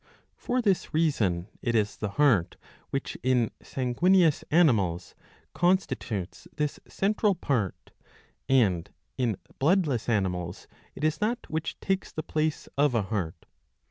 For this reason it is the heart which in sanguineous animals constitutes this central part, and in bloodless animals it is that which takes the place of a heart.